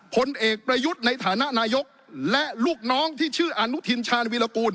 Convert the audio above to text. ผลเอกประยุทธ์ในฐานะนายกและลูกน้องที่ชื่ออนุทินชาญวีรกูล